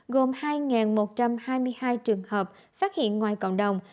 gồm hai một trăm hai mươi hai trường hợp phát hiện ngoài cộng đồng